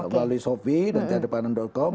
melalui shopee dan ada panganan com